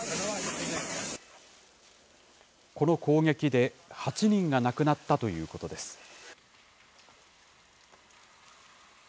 この攻撃で８人が亡くなったということです。